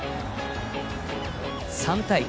３対１。